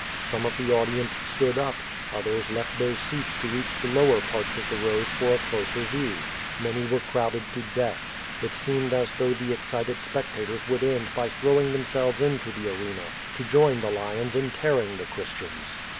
Some of the audience stood up, others left their seats to reach the lower parts of the rows for a closer view. Many were crowded to death. It seemed as though the excited spectators would end by throw ing themselves into the arena, to join the lions in tearing the Christians.